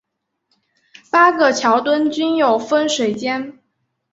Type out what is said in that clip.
八个桥墩均有分水尖。